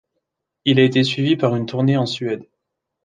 Il a été suivi par une tournée en Suède.